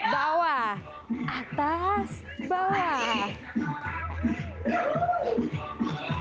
bawah atas bawah